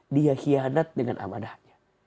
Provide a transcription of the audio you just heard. dia hianat dengan amanahnya